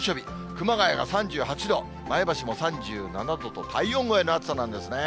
熊谷が３８度、前橋も３７度と体温超えの暑さなんですね。